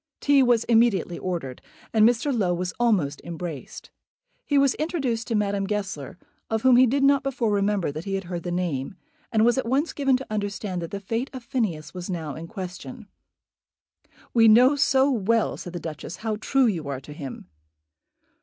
Tea was immediately ordered, and Mr. Low was almost embraced. He was introduced to Madame Goesler, of whom he did not before remember that he had heard the name, and was at once given to understand that the fate of Phineas was now in question. "We know so well," said the Duchess, "how true you are to him."